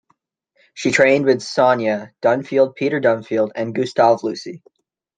She trained with Sonia Dunfield, Peter Dunfield, and Gustav Lussi.